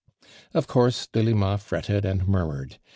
Of course Delima fretted and murmured.